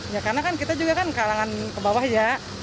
ya karena kan kita juga kan kalangan ke bawah ya